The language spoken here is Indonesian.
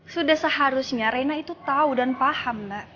sudah seharusnya reina itu tau dan paham mbak